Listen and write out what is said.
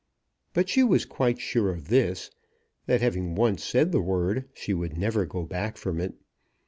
But she was quite sure of this, that having once said the word she would never go back from it.